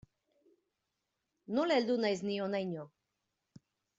Nola heldu naiz ni honaino.